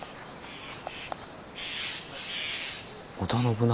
織田信長。